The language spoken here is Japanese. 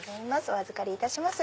お預かりいたします。